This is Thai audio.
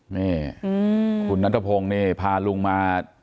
นี่คุณนัทพงศ์นี่พาลุงมา